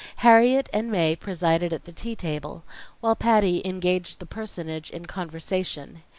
Harriet and Mae presided at the tea table, while Patty engaged the personage in conversation.